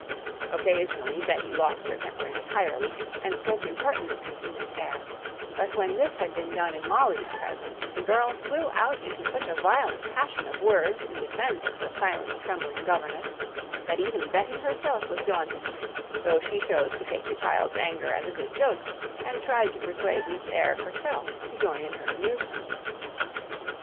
Occasionally Betty lost her temper entirely, and spoke impertinently to Miss Eyre; but when this had been done in Molly's presence, the girl flew out into such a violent passion of words in defence of her silent trembling governess, that even Betty herself was daunted, though she chose to take the child's anger as a good joke, and tried to persuade Miss Eyre herself to join in her amusement.